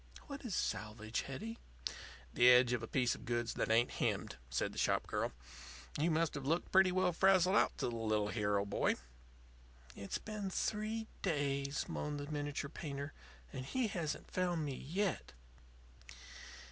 What is 'salvage,' Hetty?" "The edge of a piece of goods that ain't hemmed," said the shop girl. "You must have looked pretty well frazzled out to the little hero boy." "It's been three days," moaned the miniature painter, "and he hasn't found me yet."